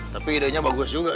tapi idenya bagus juga